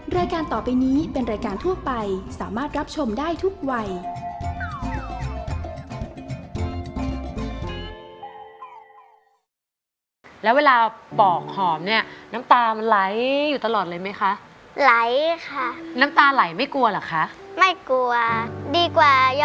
รายการต่อไปนี้เป็นรายการทั่วไปสามารถรับชมได้ทุกวัย